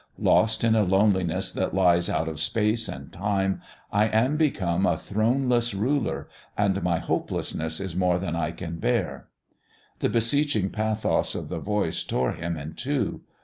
Lost in a loneliness that lies out of space and time, I am become a throneless Ruler, and my hopelessness is more than I can bear." The beseeching pathos of the voice tore him in two.